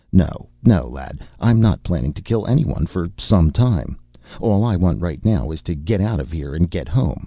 No no, lad, I'm not planning to kill anyone for some time. All I want right now is to get out of here and get home.